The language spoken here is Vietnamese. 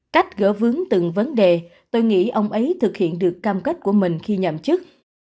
cách gỡ vướng từng vấn đề tôi nghĩ ông ấy thực hiện được cam kết của mình khi nhậm chức